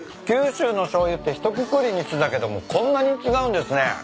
九州のしょうゆってひとくくりにしてたけどもこんなに違うんですね。